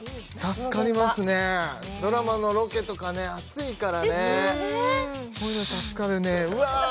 助かりますねドラマのロケとかね暑いからねですよねこういうの助かるねうわ